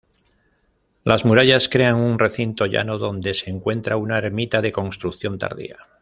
Las murallas crean un recinto llano donde se encuentra una ermita de construcción tardía.